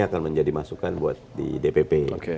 akan menjadi masukan buat di dpp